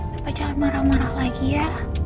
supaya jangan marah marah lagi ya